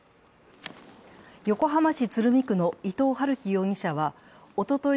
横浜市鶴見区の伊藤龍稀容疑者はおととい